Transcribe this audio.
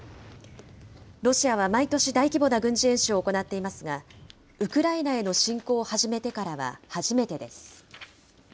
ロシアは毎年大規模な軍事演習を行っていますが、ウクライナへの侵攻を始めてからは初めてです。